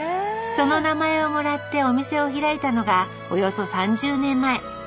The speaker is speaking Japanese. その名前をもらってお店を開いたのがおよそ３０年前。